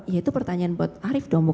ya itu pertanyaan buat arief domo